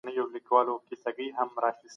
که تا صدقه ورکړې وای نو ښه به وای.